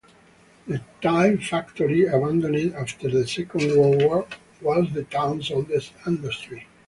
The tile factory, abandoned after the Second World War, was the town's oldest industry.